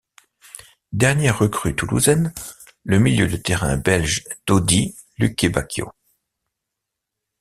Dernière recrue toulousaine, le milieu de terrain belge Dodi Lukebakio.